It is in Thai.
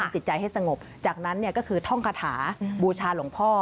จิตใจให้สงบจากนั้นก็คือท่องคาถาบูชาหลวงพ่อ